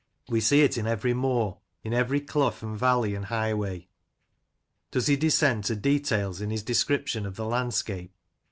We see it in every moor ; in every clough and valley and highway. Does he descend to details in his description of the landscape